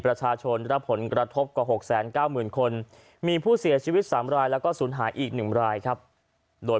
ประชาชนรับผลกระทบกว่า๖๙๐๐คนมีผู้เสียชีวิต๓รายแล้วก็สูญหายอีก๑รายครับโดย